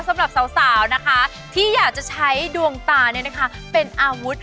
สำหรับสาวนะคะที่อยากจะใช้ดวงตาเป็นอาวุธ